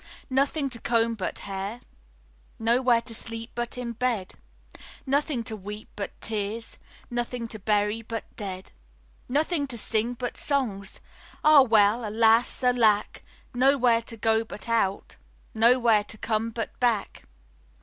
Nothing to comb but hair, Nowhere to sleep but in bed, Nothing to weep but tears, Nothing to bury but dead. Nothing to sing but songs, Ah, well, alas! alack! Nowhere to go but out, Nowhere to come but back.